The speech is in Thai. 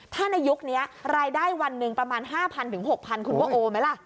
ถ้าในยุคนี้รายได้วันหนึ่งประมาณ๕๐๐๖๐๐คุณว่าโอไหมล่ะ